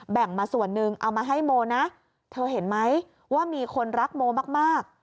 แบ่งมาส่วนหนึ่งเอามาให้โมนะเธอเห็นไหมว่ามีคนรักโมมาก